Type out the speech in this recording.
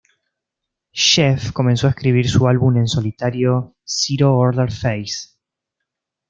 Jeff comenzó a escribir su álbum en solitario "Zero Order Phase".